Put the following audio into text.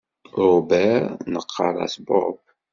Robert neɣɣar-as Bob.